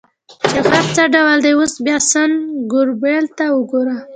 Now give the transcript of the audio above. چې غر څه ډول دی، اوس بیا سان ګبرېل ته وګوره.